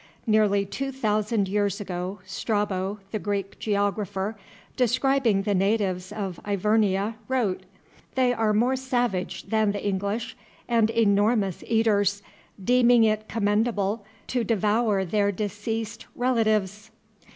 Nearly two thousand years ago Strabo, the Greek geographer, describing the natives of Ivernia, wrote: "They are more savage than the English, and enormous eaters, deeming it commendable to devour their deceased relatives."